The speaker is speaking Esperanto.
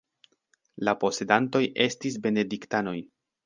La posedantoj estis benediktanoj.